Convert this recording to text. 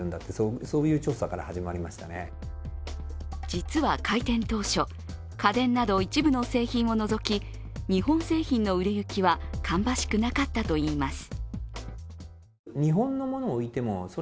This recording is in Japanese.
実は開店当初、家電など一部の製品を除き日本製品の売れ行きは芳しくなかったといいます。